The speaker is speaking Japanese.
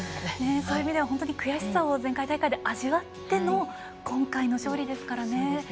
そういう意味では悔しさを前回大会で味わってからの今回の勝利ですからね。